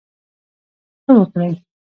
ښه وکړٸ.